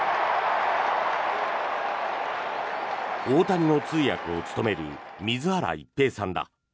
大谷の通訳を務める水原一平さんだ。